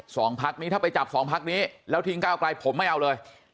สองพักนี้ถ้าไปจับสองพักนี้แล้วทิ้งก้าวไกลผมไม่เอาเลย